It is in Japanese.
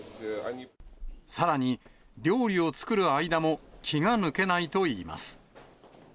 さらに、料理を作る間も気が抜けないといいます。